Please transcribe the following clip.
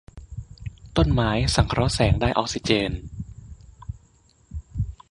ต้นไม้สังเคราะห์แสงได้ออกซิเจน